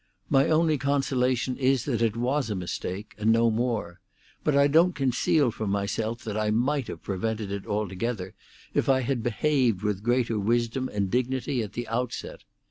My only consolation is that it was a mistake and no more; but I don't conceal from myself that I might have prevented it altogether if I had behaved with greater wisdom and dignity at the outset.